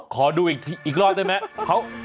ขอดูอีกรอบได้ไหม